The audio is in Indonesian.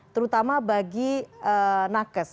terutama bagi nakes